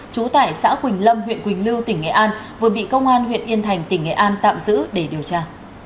trú tại xã quỳnh lâm huyện quỳnh lưu tỉnh nghệ an vừa bị công an huyện yên thành tỉnh nghệ an tạm giữ để điều tra